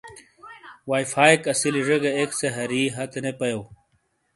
وائی فائیک اسیلی زے گہ ایک سے ہری ہتے نے پایوں۔